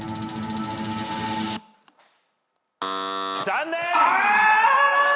残念！